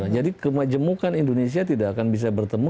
jadi kemajemukan indonesia tidak akan bisa bertemu